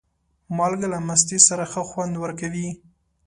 مالګه له مستې سره ښه خوند ورکوي.